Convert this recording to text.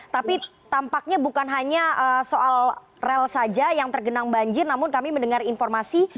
tapi tampaknya bukan hanya soal rel saja yang tergenang banjir namun kami mendengar informasi